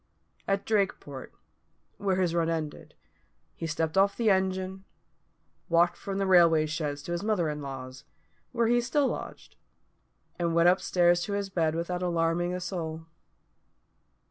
At Drakeport, where his run ended, he stepped off the engine, walked from the railway sheds to his mother in law's, where he still lodged, and went up stairs to his bed without alarming a soul.